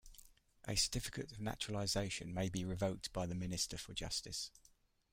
A certificate of naturalisation may be revoked by the Minister for Justice.